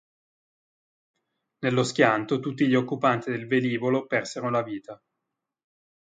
Nello schianto tutti gli occupanti del velivolo persero la vita.